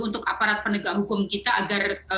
untuk aparat penegak hukum kita agar